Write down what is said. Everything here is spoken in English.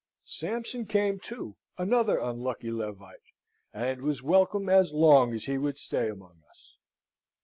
Sampson came too, another unlucky Levite, and was welcome as long as he would stay among us.